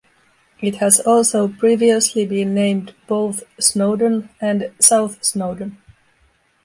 It has also previously been named both "Snowdon" and "South Snowdon".